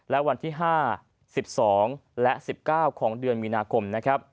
และวันที่๕๑๒และ๑๙ของเดือนมีนาคม